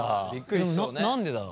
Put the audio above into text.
何でだろう。